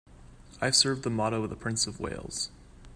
I serve the motto of the Prince of Wales.